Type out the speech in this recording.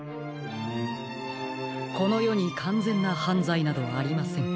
このよにかんぜんなはんざいなどありません。